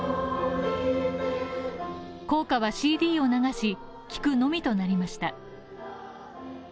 校歌はＣＤを流し、聴くのみとなりました。